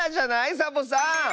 サボさん。